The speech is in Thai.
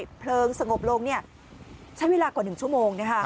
ที่ผลิกเล็งสงบลงใช้เวลากว่า๑ชั่วโมง